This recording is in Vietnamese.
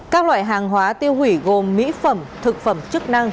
các loại hàng hóa tiêu hủy gồm mỹ phẩm thực phẩm chức năng